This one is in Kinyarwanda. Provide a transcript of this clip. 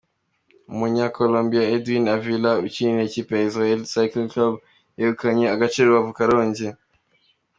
Umunya Colombia Edwin Avila ukinira ikipe ya Israel Cycling Club yegukanye agace Rubavu- Karongi.